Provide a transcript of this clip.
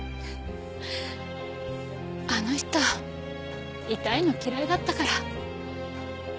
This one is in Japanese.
あの人痛いの嫌いだったから。